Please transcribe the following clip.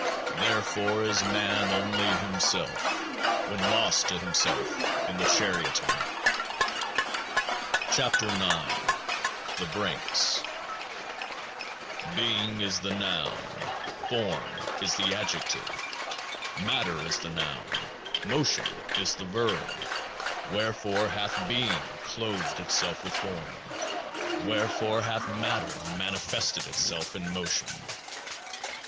Therefore is man only himself when lost to himself in The Charioting. 16 KEOAAH 0 THE BRANKS Being is the Noun ; Form is the Adjective. Matter is the Noun ; Motion is the Verb. Wherefore hath Being clothed itself with Form? Wherefore hath Matter manifested itself in Motion?